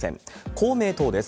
公明党です。